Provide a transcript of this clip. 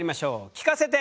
聞かせて！